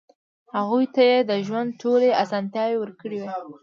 هغوی ته يې د ژوند ټولې اسانتیاوې ورکړې وې.